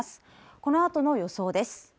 このあとの予想です